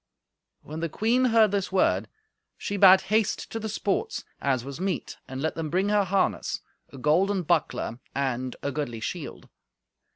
When the queen heard this word, she bade haste to the sports, as was meet, and let them bring her harness, a golden buckler and a goodly shield.